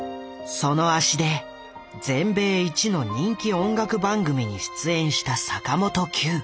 その足で全米一の人気音楽番組に出演した坂本九。